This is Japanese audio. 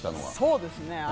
そうですね。